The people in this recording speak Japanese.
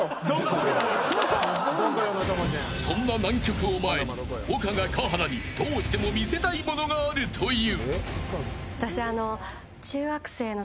そんな難曲を前に丘が華原にどうしても見せたいものがあるという。